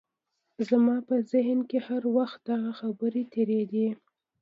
زما په ذهن کې هر وخت دغه خبرې تېرېدې.